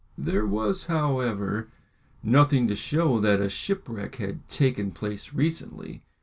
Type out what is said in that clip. There was, however, nothing to show that a shipwreck had taken place recently.